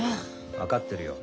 分かってるよ。